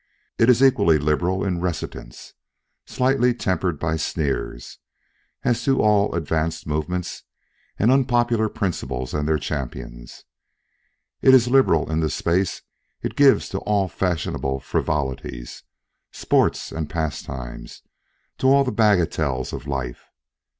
It is equally liberal in reticence, slightly tempered by sneers, as to all advanced movements, all unpopular principles and their champions. It is liberal in the space it gives to all fashionable frivolities, sports and pastimes, to all the bagatelles of life.